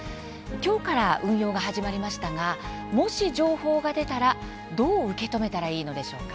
今日から運用が始まりましたがもし情報が出たら、どう受け止めたらいいのでしょうか。